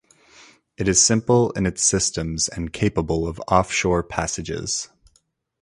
It is simple in its systems and capable of offshore passages.